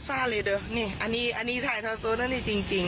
อันนี้อันนี้ถ่ายท้าสูตรแล้วนี่จริงจริง